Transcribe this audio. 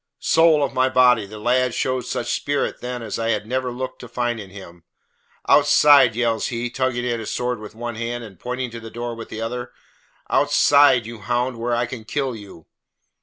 Soul of my body! The lad showed such spirit then as I had never looked to find in him. "Outside," yells he, tugging at his sword with one hand, and pointing to the door with the other. "Outside, you hound, where I can kill you!"